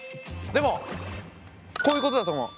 でもこういうことだと思う。